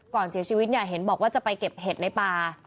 ก่อนเสียชีวิตเนี่ยเห็นบอกว่าจะไปเก็บเห็ดในป่า